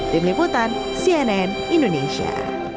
tim liputan cnn indonesia